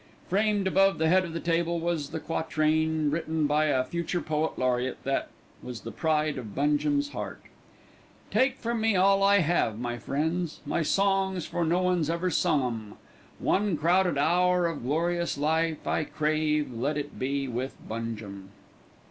Framed above the head of the table was the quatrain, written by a future Poet Laureate, that was the pride of Bungem's heart: "Take from me all I have: my friends, My songs, for no one's ever sung 'em; One crowded hour of glorious life I crave, but let it be with Bungem."